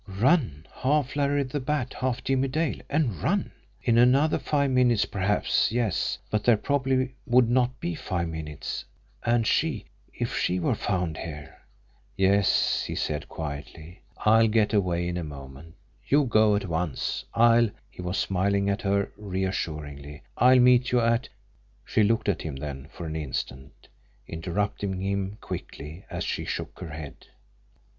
Run! Half Larry the Bat, half Jimmie Dale and run! In another five minutes, perhaps yes. But there probably would not be five minutes and she if she were found here! "Yes," he said quietly. "I'll get away in a moment. You go at once. I'll" he was smiling at her reassuringly "I'll meet you at " She looked at him then for an instant interrupting him quickly, as she shook her head.